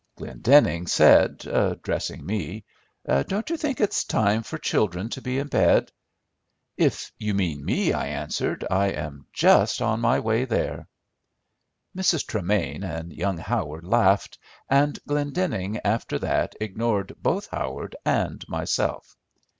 Glendenning said, addressing me, "Don't you think it's time for children to be in bed?" "If you mean me," I answered, "I am just on my way there." Mrs. Tremain and young Howard laughed, and Glendenning after that ignored both Howard and myself.